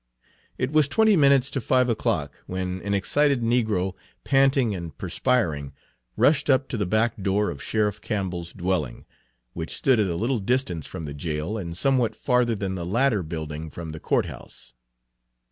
It was twenty minutes to five o'clock, when an excited negro, panting and perspiring, rushed up to the back door of Sheriff Campbell's dwelling, which stood at a little distance from the jail and somewhat farther than the latter building from the court house.